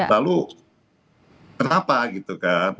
lalu kenapa gitu kan